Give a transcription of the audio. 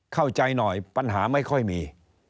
เข้าใจหน่อยปัญหาไม่ค่อยมี